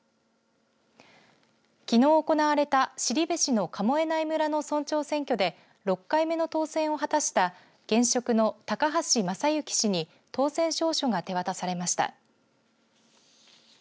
きのう行われた後志市の神恵内村の村長選挙で６回目の当選を果たした現職の高橋昌幸氏に当選証書が手渡されました。